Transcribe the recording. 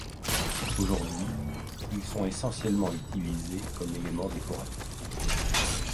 Aujourd'hui, ils sont essentiellement utilisés comme éléments décoratifs.